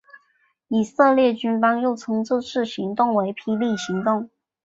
以色列军方又称这次行动为霹雳行动。